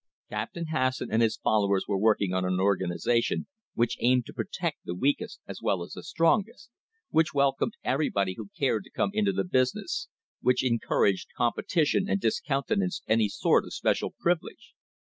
Captain Hasson and his followers were working on an organisation which aimed to protect the weak est as well as the strongest; which welcomed everybody who cared to come into the business ; which encouraged competition and discountenanced any sort of special privilege.